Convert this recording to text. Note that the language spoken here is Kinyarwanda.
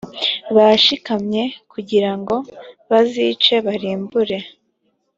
bashikamye kugira ngo bazice barimbure